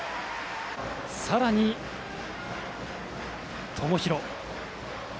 さらに、友廣。